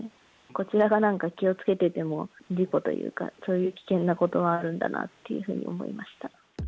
こちらがなんか、気をつけてても、事故というか、そういう危険なことはあるんだなっていうふうに思いました。